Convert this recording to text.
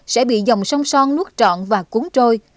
sẽ bị dòng sông son nút trọn và cuốn trôi